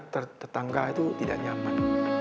tetangga itu tidak nyaman